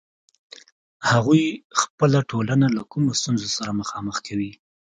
هغوی خپله ټولنه له کومو ستونزو سره مخامخ کوي.